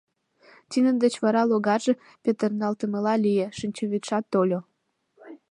Тидын деч вара логарже петырналтмыла лие, шинчавӱдшат тольо.